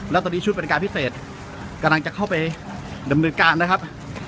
แล้วตอนนี้ชุดบริการพิเศษกำลังจะเข้าไปดำเนินการนะครับ